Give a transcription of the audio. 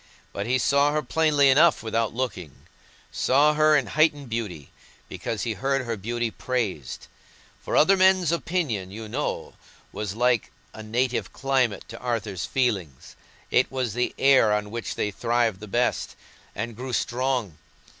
But he saw her plainly enough without looking; saw her in heightened beauty, because he heard her beauty praised—for other men's opinion, you know, was like a native climate to Arthur's feelings: it was the air on which they thrived the best, and grew strong.